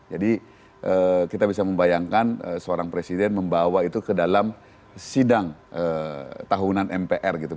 jadi kita bisa membayangkan seorang presiden membawa itu ke dalam sidang tahunan mpr gitu